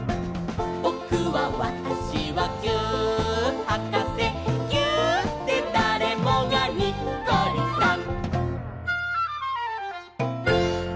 「ぼくはわたしはぎゅーっはかせ」「ぎゅーっでだれもがにっこりさん！」